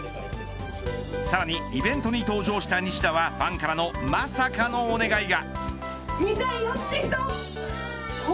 さらにイベントに登場した西田はファンからのまさかのお願いが。